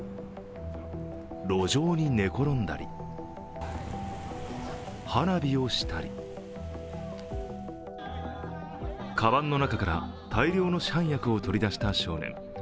路上に寝転んだり、花火をしたりかばんの中から大量の市販薬を取り出した少年。